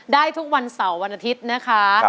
ได้ทุกวันเสาร์วันอาทิตย์นะคะ